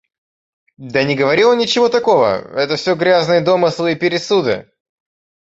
Да не говорил он ничего такого, это всё грязные домыслы и пересуды!